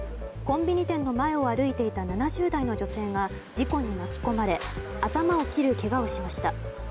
コンビニ店の前を歩いていた７０代の女性が事故に巻き込まれ頭を切るけがをしました。